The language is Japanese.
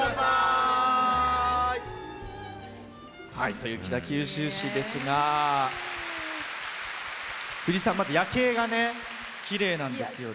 という北九州市ですが藤さん、夜景がきれいなんですよね。